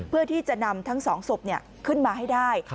เพื่อที่จะนำทั้งสองศพขึ้นมาให้ได้